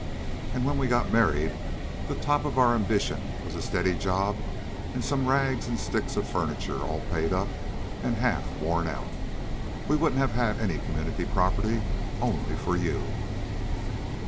"An' when we got married the top of our ambition was a steady job an' some rags an' sticks of furniture all paid up an' half worn out. We wouldn't have had any community property only for you."